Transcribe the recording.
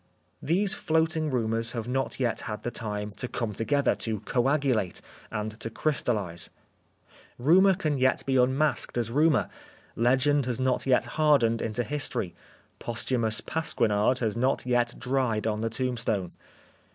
These floating rumours have not yet had the time to come together, to coagulate, and to Preface crystallise. Rumour can yet be unmasked as rumour^ legend has not yet hardened into history, posthumous pasquinade has not yet dried on the tombstone.